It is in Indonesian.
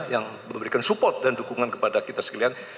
yang memberikan support dan dukungan kepada kita sekalian